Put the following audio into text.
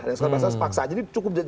yang sekarang bahasa sepaksa jadi cukup